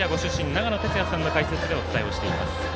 長野哲也さんの解説でお伝えをしています。